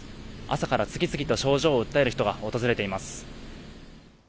朝から次々と症状を訴える人が訪れています。